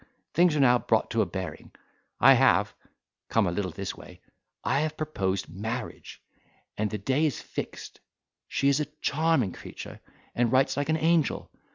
things are now brought to a bearing. I have—(come a little this way) I have proposed marriage, and the day is fixed—she's a charming creature, and writes like an angel!